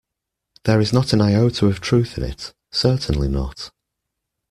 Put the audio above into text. There is not an iota of truth in it, certainly not.